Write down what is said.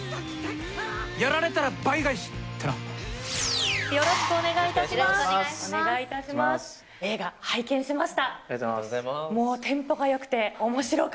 やられたら倍返しってな。